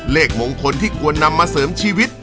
เลขมงคลที่ควรนำมาเสริมชีวิต